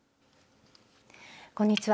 こんにちは。